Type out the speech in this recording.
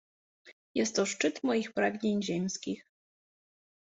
Jest to szczyt moich pragnień ziemskich.